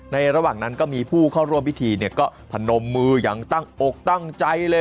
ระหว่างนั้นก็มีผู้เข้าร่วมพิธีเนี่ยก็พนมมืออย่างตั้งอกตั้งใจเลย